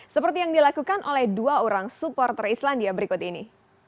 seperti yang dilakukan oleh dua orang supporter islandia berikut ini